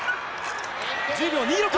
１０秒２６！